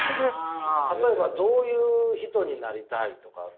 例えばどういう人になりたいとか？